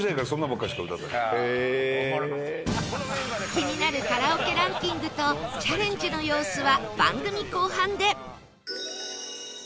気になるカラオケランキングとチャレンジの様子は番組後半で！